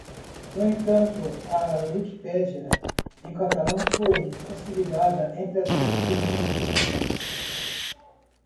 No entanto, a Wikipédia em catalão foi consolidada entre as vinte primeiras posições.